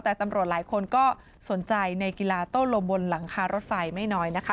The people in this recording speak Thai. แต่ตำรวจหลายคนก็สนใจในกีฬาโต้ลมบนหลังคารถไฟไม่น้อยนะคะ